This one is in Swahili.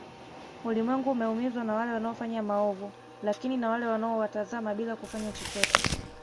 Ulimwengu umeumizwa na wale wanaofanya maovu lakini na wale wanao watazama bila kufanya chochote